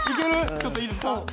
ちょっといいですか？